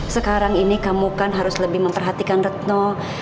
sekarang ini kamu kan harus lebih memperhatikan retno